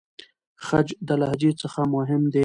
خج د لهجې څخه مهم دی.